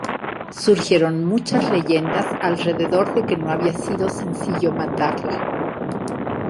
Surgieron muchas leyendas alrededor de que no había sido sencillo matarla.